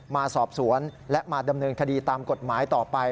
มาสอบสวนและมาดำเนินคดีตามกฎหมายต่อไป